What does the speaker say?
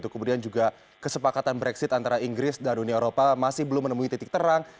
kemudian juga kesepakatan brexit antara inggris dan uni eropa masih belum menemui titik terang